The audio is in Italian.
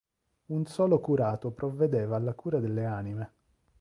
Un solo curato provvedeva alla cura delle anime.